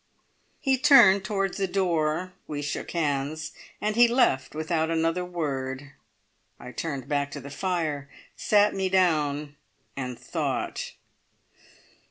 He turned towards the door; we shook hands, and he left without another word. I turned back to the fire, sat me down, and thought.